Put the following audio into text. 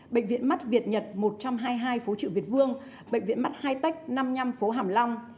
bệnh viện mắt việt nhật một trăm hai mươi hai phố triệu việt vương bệnh viện mắt hai tách năm mươi năm phố hàm long